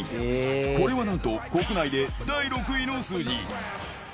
これはなんと国内で第６位の数字。